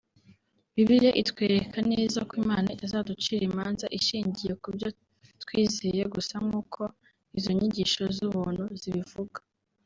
Bibiliya itwereka neza ko Imana Itazanducira imanza inshingiye kubyo twizeye gusa nkuko izo nyigisho z’ubuntu zibivuga